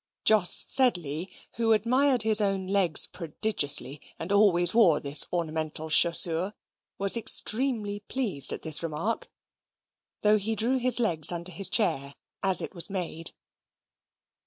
Jos Sedley, who admired his own legs prodigiously, and always wore this ornamental chaussure, was extremely pleased at this remark, though he drew his legs under his chair as it was made.